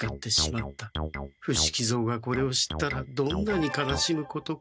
伏木蔵がこれを知ったらどんなに悲しむことか。